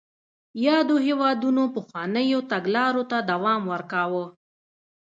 یادو هېوادونو پخوانیو تګلارو ته دوام ورکاوه.